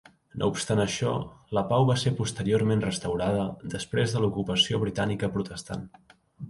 No obstant això, la pau va ser posteriorment restaurada després de l'ocupació britànica protestant.